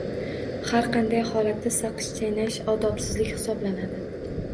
Har qanday holatda saqich chaynash odobsizlik hisoblanadi.